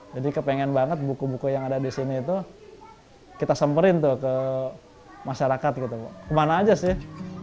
jadi kepengen banget buku buku yang ada di sini itu kita semperin ke masyarakat kemana aja sih